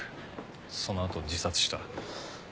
そのあと自殺した。